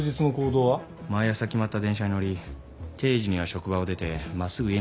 毎朝決まった電車に乗り定時には職場を出て真っすぐ家に帰ってます。